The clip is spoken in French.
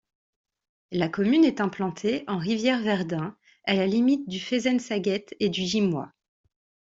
La commune est implantée en Rivière-Verdun à la limite du Fezensaguet et du Gimois.